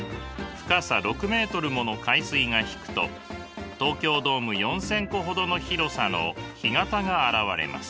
深さ６ｍもの海水が引くと東京ドーム４，０００個ほどの広さの干潟が現れます。